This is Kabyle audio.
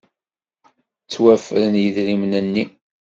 Ttwaffren yidrimen-nni.